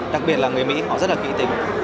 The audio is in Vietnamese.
đặc biệt là người mỹ họ rất là kỵ tính